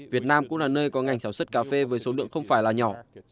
việt nam cũng là nơi có ngành sản xuất cà phê với số lượng không phải là nhỏ